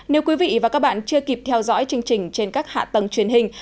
nếu quý vị và các bạn chưa kịp theo dõi chương trình trên các hạ tầng truyền hình